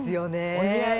お似合い！